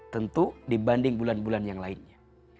tentu dibanding bulan bulan yang lainnya